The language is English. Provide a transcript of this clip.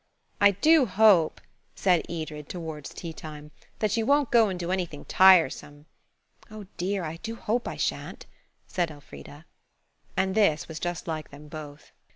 "I do hope," said Edred, towards tea time, "that you won't go and do anything tiresome." "Oh, dear, I do hope I shan't," said Elfrida. And this was just like them both.